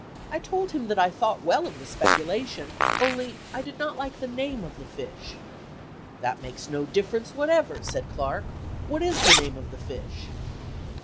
I told him that I thought well of the speculation, only I did not like the name of the fish. "That makes no difference whatever," said Clark; "what is the name of the fish?"